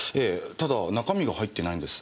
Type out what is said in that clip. ただ中身が入ってないんです。